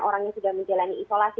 orang yang sudah menjalani isolasi